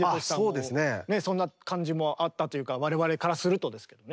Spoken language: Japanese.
あそうですね。そんな感じもあったというか我々からするとですけどね。